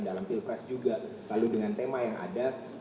dalam pilpres juga lalu dengan tema yang ada